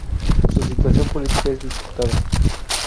Su situación política es disputada.